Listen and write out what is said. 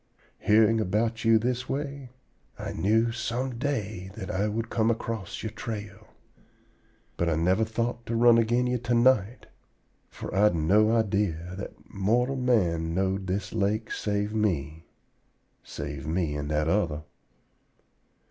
Hearing about you this way, I knew some day that I would come across your trail; but I never thought to run agin you to night, for I'd no idee that mortal man knowed this lake, save me save me and that other.